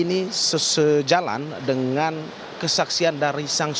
untuk diketahui sodara hal ini sejalan dengan pesaksian dari sang suami